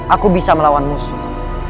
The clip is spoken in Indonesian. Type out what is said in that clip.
aku bisa melawan musuh